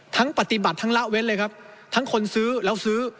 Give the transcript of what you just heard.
ปฏิบัติทั้งละเว้นเลยครับทั้งคนซื้อแล้วซื้อ